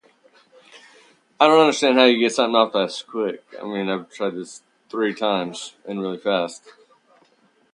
Others were sent to Hospital.